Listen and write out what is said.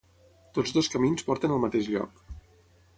Tots dos camins porten al mateix lloc